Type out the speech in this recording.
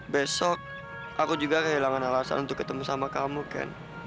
besok aku juga kehilangan alasan untuk ketemu sama kamu kan